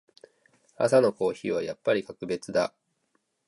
朝のコーヒーはやっぱり格別だ。